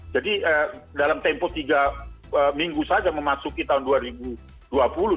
jadi dalam tempo tiga minggu saja memasuki tahun dua ribu dua puluh